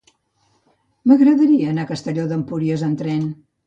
M'agradaria anar a Castelló d'Empúries amb tren.